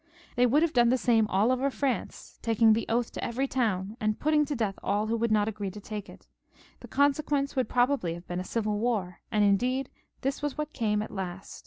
They would then have done the same all over France, taking the oath to every town and putting to death aU who would not agree to take it. The consequence would probably have been a civil war, and indeed this was what came at last?